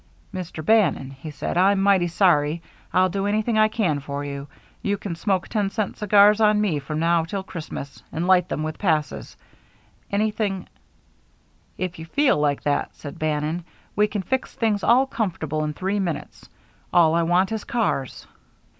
"Mr. Bannon," he said, "I'm mighty sorry. I'll do anything I can for you. You can smoke ten cent cigars on me from now till Christmas, and light them with passes. Anything " "If you feel like that," said Bannon, "we can fix things all comfortable in three minutes. All I want is cars."